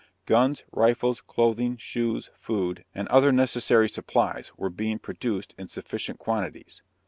Guns, rifles, clothing, shoes, food, and other necessary supplies were being produced in sufficient quantities.